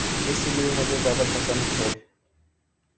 اسی لیے مجھے زیادہ پسند تھے۔